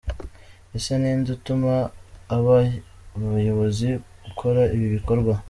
Ese ni inde utuma aba bayobozi gukora ibi bikorwa?